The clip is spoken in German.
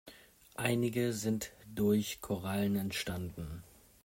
Einige sind durch Korallen entstanden.